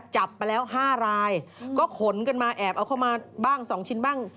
จับมาแล้ว๕รายก็ขนกันมาแอบเอาเข้ามาบ้าง๒ชิ้นบ้าง